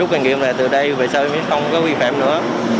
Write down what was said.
rút kinh nghiệm là từ đây về sau em biết không có vi phạm nữa